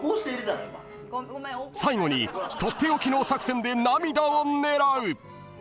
［最後にとっておきの作戦で涙を狙う］